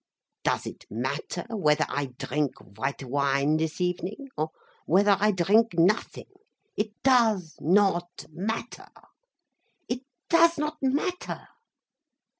Does it matter, whether I drink white wine this evening, or whether I drink nothing? It does not matter, it does not matter.